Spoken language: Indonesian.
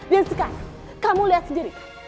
dan sekarang kamu lihat sendiri